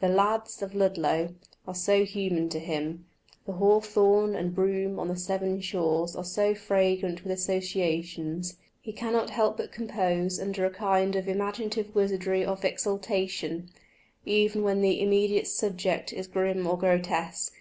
The "lads" of Ludlow are so human to him, the hawthorn and broom on the Severn shores are so fragrant with associations, he cannot help but compose under a kind of imaginative wizardry of exultation, even when the immediate subject is grim or grotesque.